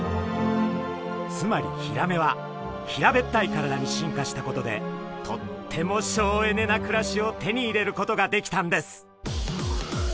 つまりヒラメは平べったい体に進化したことでとっても省エネな暮らしを手に入れることができたんです。